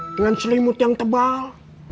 dengan selimut yang tebal